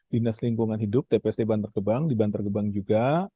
dinas lingkungan hidup tpst bantergebang di bantergebang juga